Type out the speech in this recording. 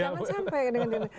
jangan sampai dengan itu